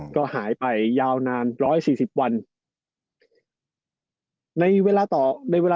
ก็หายไปยาวนาน๑๔๐วัน